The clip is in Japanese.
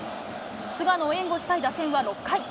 菅野を援護したい打線は６回。